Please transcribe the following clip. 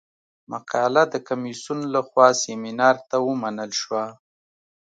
مقاله د کمیسیون له خوا سیمینار ته ومنل شوه.